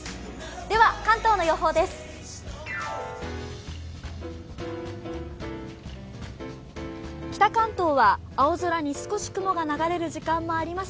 では、関東の予報です。